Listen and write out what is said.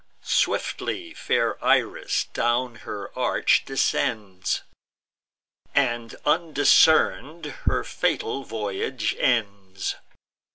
Swiftly fair Iris down her arch descends, And, undiscern'd, her fatal voyage ends.